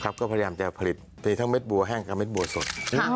ก็พยายามจะผลิตตีทั้งเม็ดบัวแห้งกับเม็ดบัวสด